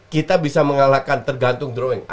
kita bisa mengalahkan tergantung drawing